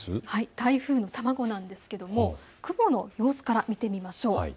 台風の卵なんですが雲の様子から見てみましょう。